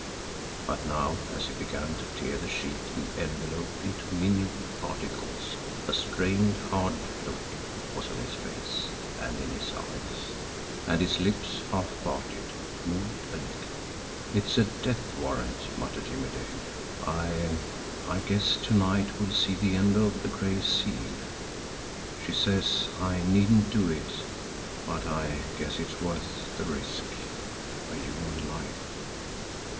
But now as he began to tear the sheet and envelope into minute particles, a strained, hard look was on his face and in his eyes, and his lips, half parted, moved a little. "It's a death warrant," muttered Jimmie Dale. "I I guess to night will see the end of the Gray Seal. She says I needn't do it, but I guess it's worth the risk a human life!"